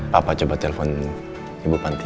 papa coba telepon ibu panti